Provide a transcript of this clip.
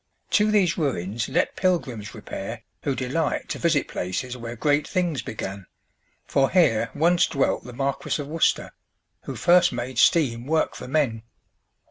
To these ruins let pilgrims repair who delight to visit places where great things began; for here once dwelt the Marquis of Worcester, who first made steam work for men.